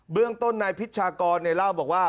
เรื่องต้นนายพิชากรเล่าบอกว่า